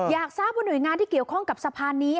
อยากทราบว่าหน่วยงานที่เกี่ยวข้องกับสะพานนี้